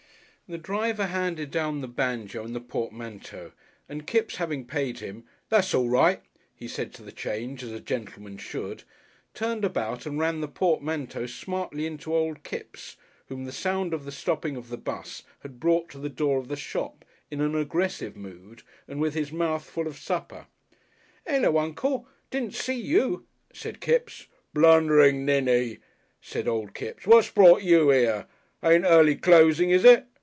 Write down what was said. The driver handed down the banjo and the portmanteau, and Kipps having paid him "That's aw right," he said to the change, as a gentleman should turned about and ran the portmanteau smartly into Old Kipps, whom the sound of the stopping of the 'bus had brought to the door of the shop in an aggressive mood and with his mouth full of supper. "Ullo, Uncle, didn't see you," said Kipps. "Blunderin' ninny," said Old Kipps. "What's brought you here? Ain't early closing, is it?